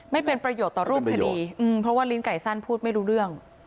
ไม่เป็นประโยชน์ต่อรูปคดีเพราะว่าลิ้นไก่สั้นพูดไม่รู้เรื่อง